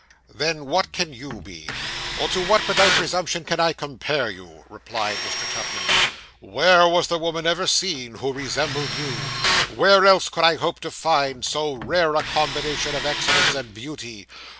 'Then what can you be; or to what, without presumption, can I compare you?' replied Mr. Tupman. 'Where was the woman ever seen who resembled you? Where else could I hope to find so rare a combination of excellence and beauty?